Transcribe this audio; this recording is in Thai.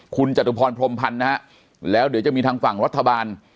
คุณจตุพรพรมพันธ์นะฮะแล้วเดี๋ยวจะมีทางฝั่งรัฐบาล